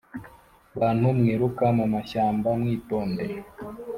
bantu mwiruka mu mashyaka mwitonde